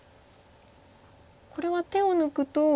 これは手を抜くと。